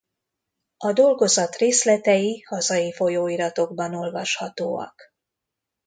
A dolgozat részletei hazai folyóiratokban olvashatóak.